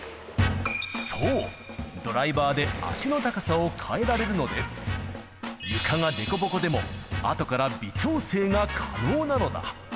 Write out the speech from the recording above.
そう、ドライバーで脚の高さを変えられるので、床が凸凹でもあとから微調整が可能なのだ。